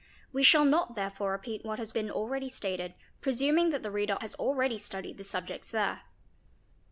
we shall not therefore repeat what has been already stated, presuming that the reader has already studied the subjects there.